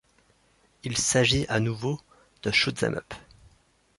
Il s'agit à nouveau d'un shoot'em'up.